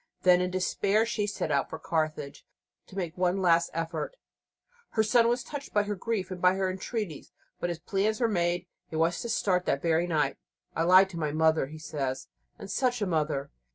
Then, in despair, she set out for Carthage to make one last effort. Her son was touched by her grief and her entreaties, but his plans were made: he was to start that very night. "I lied to my mother," he says, "and such a mother!"